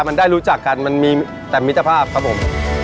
มันได้รู้จักกันมันมีแต่มิตรภาพครับผม